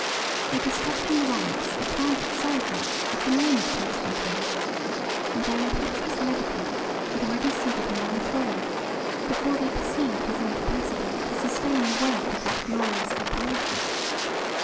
They discovered in the ranks a private soldier of the name of Constantine, and their impetuous levity had already seated him on the throne, before they perceived his incapacity to sustain the weight of that glorious appellation.